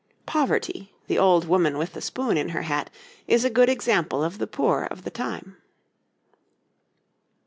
'Poverty,' the old woman with the spoon in her hat, is a good example of the poor of the time.